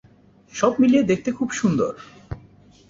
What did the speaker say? সব মিলিয়ে দেখতে খুব সুন্দর।